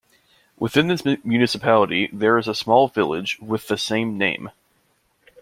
Within this municipality there is a small village, with the same name.